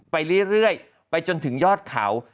ไปเรื่อยไปจนถึงยอดเขา